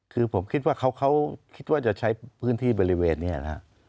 คือผมคิดว่าเขาคิดว่าจะใช้พื้นที่บริเวณนี้นะครับ